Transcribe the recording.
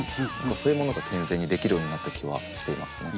そういうものが健全にできるようになった気はしていますね。